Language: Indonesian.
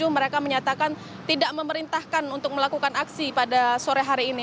mereka menyatakan tidak memerintahkan untuk melakukan aksi pada sore hari ini